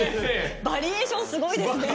バリエーションすごいですね。